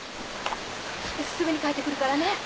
すぐに帰ってくるからね。